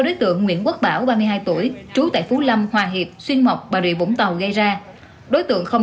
biết con mình vi phạm đã không ca ngang giáo dục đến nơi đến chốn